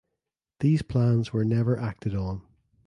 These plans were never acted on.